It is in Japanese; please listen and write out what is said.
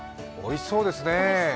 おいしそうですね。